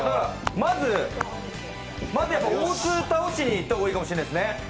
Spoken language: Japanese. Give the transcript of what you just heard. まず大津倒しにいった方がいいかもしれないですね。